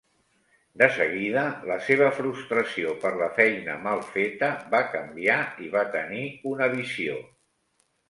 De seguida, la seva frustració per la feina mal feta va canviar i va tenir una visió.